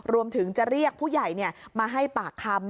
รวมถึงจะเรียกผู้ใหญ่มาให้ปากคำ